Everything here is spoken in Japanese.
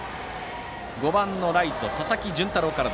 ５番ライトの佐々木純太郎から。